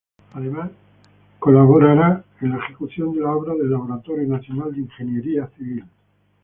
Además, colaborará en la ejecución de la obra el Laboratorio Nacional de Ingeniería Civil.